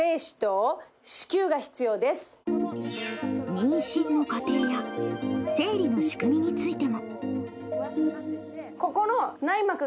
妊娠の過程や生理の仕組みについても。